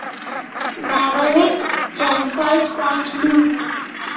Maverick - Jeffries Point Loop.